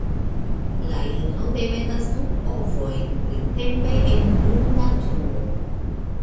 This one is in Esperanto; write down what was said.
La ino demetas du ovojn printempe en grunda truo.